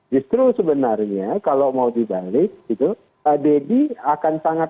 justru sebenarnya kalau mau dibalik gitu deddy akan sangat